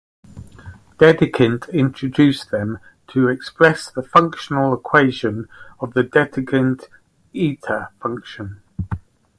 Dedekind introduced them to express the functional equation of the Dedekind eta function.